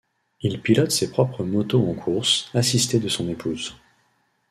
Il pilote ses propres motos en courses, assisté de son épouse.